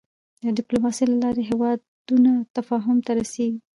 د د ډيپلوماسی له لارې هېوادونه تفاهم ته رسېږي.